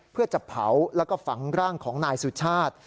เพื่อจะเผาแล้วก็ฝังร่างของนายสุชาติ